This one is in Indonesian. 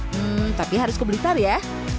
hmm tapi harus ke blitar ya